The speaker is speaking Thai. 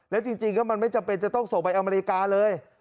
แล้วจริงก็มันไม่จำเป็นจะต้องส่งไปอเมริกาเลย